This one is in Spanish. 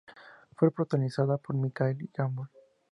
Fue protagonizada por Michael Gambon.